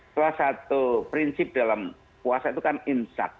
salah satu prinsip dalam puasa itu kan insak